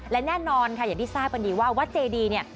และแน่นอนค่ะอย่างที่ทราบกันดีว่าวัดเจดีเนี่ย